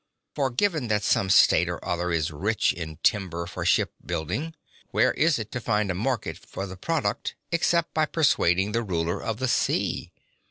For, given that some state or other is rich in timber for shipbuilding, where is it to find a market (12) for the product except by persuading the ruler of the sea?